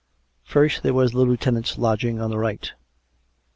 First there was the Lieutenant's lodging on the right.